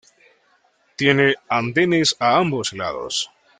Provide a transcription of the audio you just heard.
Tiene andenes a ambos lados.